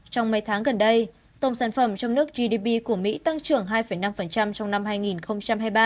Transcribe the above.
trong mấy tháng gần đây tổng sản phẩm trong nước gdp của mỹ tăng trưởng hai năm trong năm hai nghìn hai mươi ba